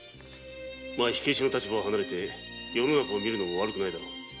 マ火消しを離れて世の中を見るのも悪くないだろう。